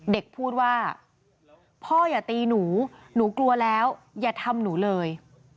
เด็กพูดว่าพ่ออย่าตีหนูหนูกลัวแล้วอย่าทำหนูเลย